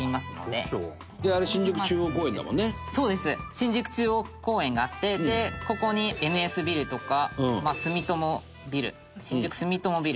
新宿中央公園があってここにＮＳビルとか住友ビル新宿住友ビル。